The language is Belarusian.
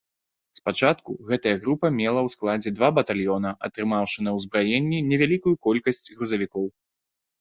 Спачатку, гэтая група мела ў складзе два батальёна, атрымаўшы на ўзбраенне невялікую колькасць грузавікоў.